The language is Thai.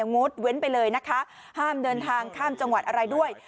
งดเว้นไปเลยนะคะห้ามเดินทางข้ามจังหวัดอะไรด้วย